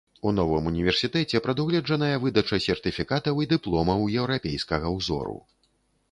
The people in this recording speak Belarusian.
У новым універсітэце прадугледжаная выдача сертыфікатаў і дыпломаў еўрапейскага ўзору.